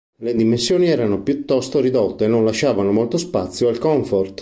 Le dimensioni erano piuttosto ridotte e non lasciavano molto spazio al comfort.